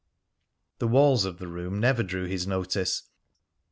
The walls of the room never drew his notice.